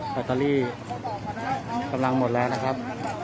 ลอตเตอรี่กำลังหมดแล้วนะครับ